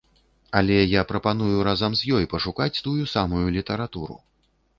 Але я прапаную разам з ёй пашукаць тую самую літаратуру.